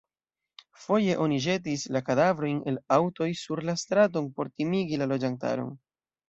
Foje oni ĵetis la kadavrojn el aŭtoj sur la straton por timigi la loĝantaron.